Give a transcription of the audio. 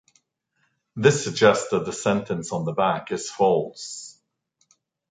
This suggests that the sentence on the back is false.